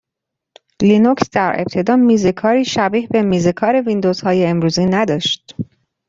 لینوکس در ابتدا میزکاری شبیه به میز کار ویندوزهای امروزی نداشت.